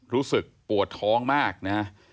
รู้สึกปวดท้องมากนะฮะ